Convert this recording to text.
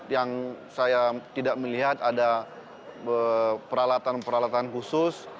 yang saya tidak melihat ada peralatan peralatan khusus